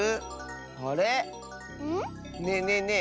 あれ⁉ねえねえねえ